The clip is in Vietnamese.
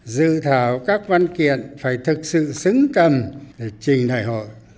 dự thảo các văn kiện phải thực sự xứng cầm để trình đại hội